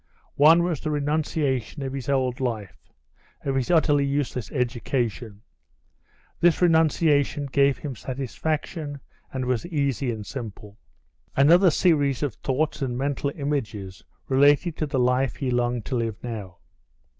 One was the renunciation of his old life, of his utterly useless education. This renunciation gave him satisfaction, and was easy and simple. Another series of thoughts and mental images related to the life he longed to live now.